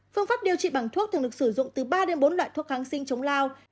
phương pháp điều trị bằng thuốc thường được sử dụng từ ba đến bốn loại thuốc kháng sinh chống lao